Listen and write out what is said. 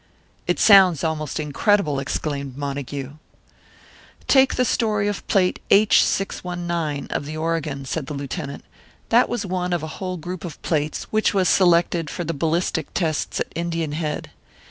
"It sounds almost incredible!" exclaimed Montague. "Take the story of plate H619, of the Oregon," said the Lieutenant. "That was one of a whole group of plates, which was selected for the ballistic tests at Indian Head.